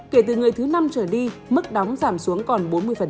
kể từ người thứ năm trở đi mức đóng giảm xuống còn bốn mươi